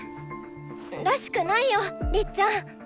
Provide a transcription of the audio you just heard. らしくないよりっちゃん！